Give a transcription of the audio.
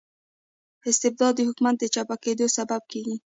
استبداد د حکوم د چپه کیدو سبب کيږي.